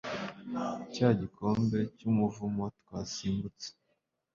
cya gikombe cy'umuvumo twasimbutse